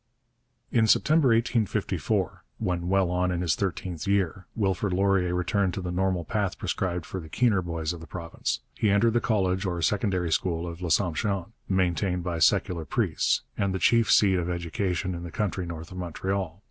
In September 1854, when well on in his thirteenth year, Wilfrid Laurier returned to the normal path prescribed for the keener boys of the province. He entered the college or secondary school of L'Assomption, maintained by secular priests, and the chief seat of education in the country north of Montreal.